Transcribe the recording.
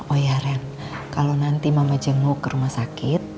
oh ya ren kalau nanti mama jenguk ke rumah sakit